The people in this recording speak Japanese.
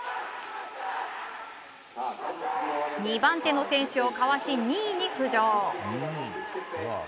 ２番手の選手をかわし２位に浮上。